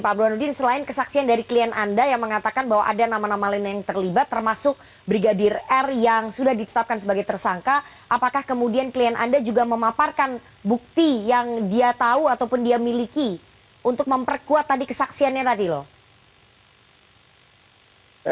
pak burhanuddin selain kesaksian dari klien anda yang mengatakan bahwa ada nama nama lain yang terlibat termasuk brigadir r yang sudah ditetapkan sebagai tersangka apakah kemudian klien anda juga memaparkan bukti yang dia tahu ataupun dia miliki untuk memperkuat tadi kesaksiannya tadi loh